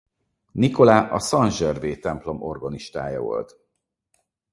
Nicolas a Saint-Gervais templom orgonistája volt.